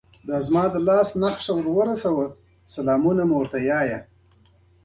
د دوا شیندنې لپاره باید د کرنې له مامور سره مشوره وشي.